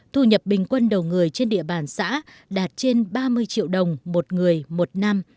thu nhập bình quân đầu người trên địa bàn xã đạt trên ba mươi triệu đồng một người một năm